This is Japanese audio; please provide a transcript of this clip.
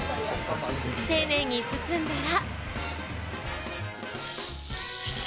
丁寧に包んだら。